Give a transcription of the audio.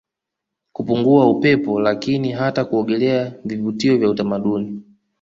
kupunga upepo lakini hata kuogelea Vivutio vya utamaduni